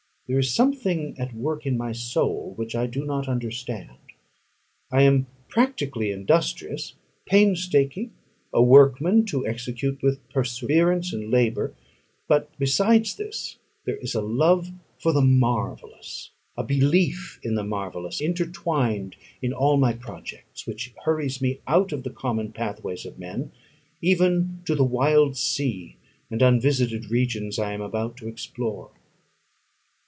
There is something at work in my soul, which I do not understand. I am practically industrious pains taking; a workman to execute with perseverance and labour: but besides this, there is a love for the marvellous, a belief in the marvellous, intertwined in all my projects, which hurries me out of the common pathways of men, even to the wild sea and unvisited regions I am about to explore.